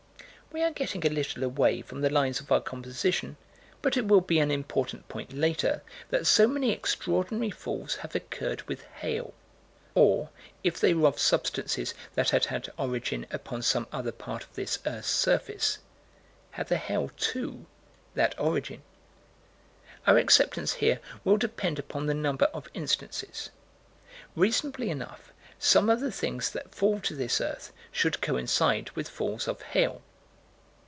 We are getting a little away from the lines of our composition, but it will be an important point later that so many extraordinary falls have occurred with hail. Or if they were of substances that had had origin upon some other part of this earth's surface had the hail, too, that origin? Our acceptance here will depend upon the number of instances. Reasonably enough, some of the things that fall to this earth should coincide with falls of hail.